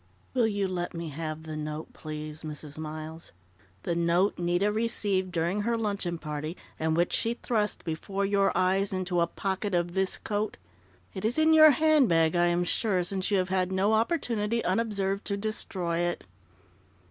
"Will you let me have the note, please, Mrs. Miles? The note Nita received during her luncheon party, and which she thrust, before your eyes, into a pocket of this coat?... It is in your handbag, I am sure, since you have had no opportunity, unobserved, to destroy it."